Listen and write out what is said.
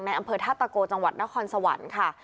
อำเภอธาตะโกจังหวัดนครสวรรค์ค่ะ